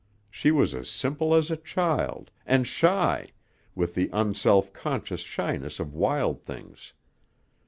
She was as simple as a child, and shy, with the unself conscious shyness of wild things.